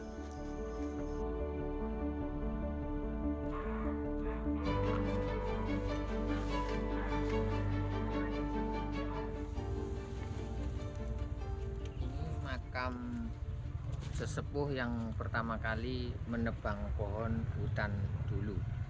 ini makam sesepuh yang pertama kali menebang pohon hutan dulu